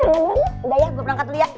udah ya gue berangkat dulu ya